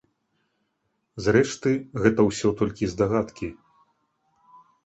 Зрэшты, гэта ўсё толькі здагадкі.